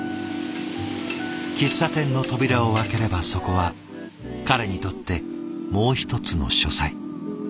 喫茶店の扉を開ければそこは彼にとってもう一つの書斎。